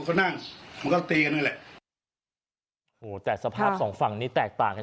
เขานั่งเราตีกันเลยจากสภาพสองฝั่งนี้แตกต่างกัน